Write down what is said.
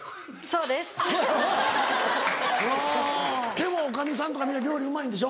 でも女将さんとか皆料理うまいんでしょ？